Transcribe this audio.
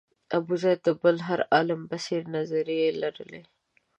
ابوزید د بل هر عالم په څېر نظریې لرلې.